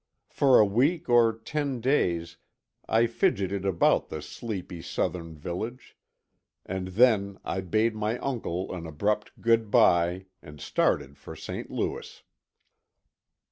For a week or ten days I fidgeted about the sleepy Southern village, and then I bade my uncle an abrupt good bye and started for St. Louis.